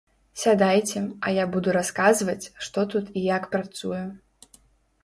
Сядайце, а я буду расказваць, што тут і як працуе.